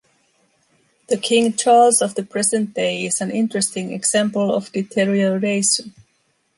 The King Charles of the present day is an interesting example of deterioration.